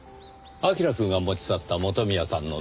彬くんが持ち去った元宮さんのノート。